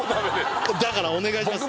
だからお願いします